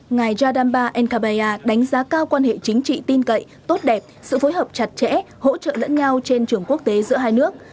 ngài yadamba ncaya đánh giá cao quan hệ chính trị tin cậy tốt đẹp sự phối hợp chặt chẽ hỗ trợ lẫn nhau trên trường quốc tế giữa hai nước